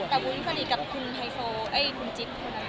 แต่วุ้นก็ดีกับคุณไฮโฟเอ้ยคุณจิ๊บ